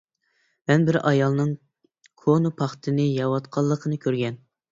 مەن بىر ئايالنىڭ كونا پاختىنى يەۋاتقانلىقىنى كۆرگەن.